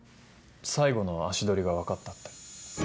最後の足取りが分かったって。